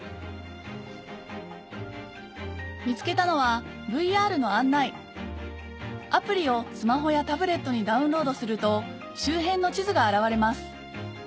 見つけたのはＶＲの案内アプリをスマホやタブレットにダウンロードすると周辺の地図が現れます